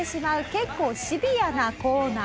結構シビアなコーナー。